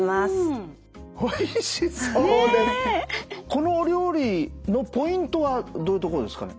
このお料理のポイントはどういうとこですかね？